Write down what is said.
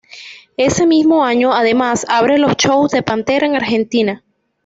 Ese mismo año además, abre los shows de Pantera en Argentina.